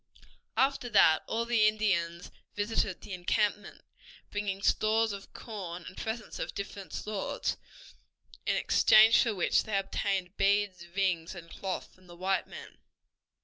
After that all the Indians visited the encampment, bringing stores of corn and presents of different sorts, in exchange for which they obtained beads, rings, and cloth from the white men.